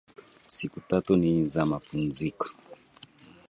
Siku tatu ni za mapumziko